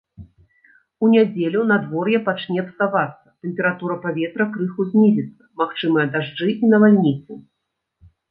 У нядзелю надвор'е пачне псавацца, тэмпература паветра крыху знізіцца, магчымыя дажджы і навальніцы.